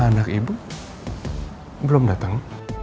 anak ibu belum datang